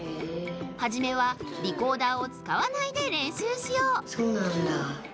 はじめはリコーダーをつかわないで練習しようそうなんだ。